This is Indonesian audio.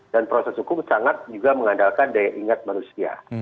dan proses hukum sangat juga mengandalkan daya ingat manusia